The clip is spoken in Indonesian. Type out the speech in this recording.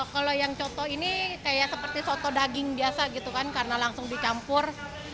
kalau yang coto ini kayak seperti soto daging biasa gitu kan karena langsung dicampur